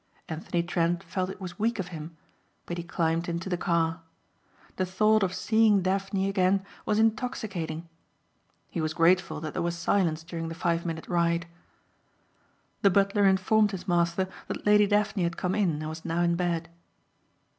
Anthony Trent felt it was weak of him but he climbed into the car. The thought of seeing Daphne again was intoxicating. He was grateful that there was silence during the five minute ride. The butler informed his master that Lady Daphne had come in and was now in bed.